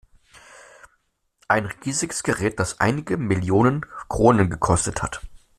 Ein riesiges Gerät, das einige Millionen Kronen gekostet hat.